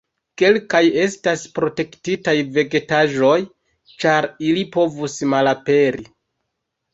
Kelkaj estas protektitaj vegetaĵoj, ĉar ili povus malaperi.